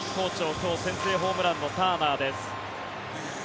今日、先制ホームランのターナーです。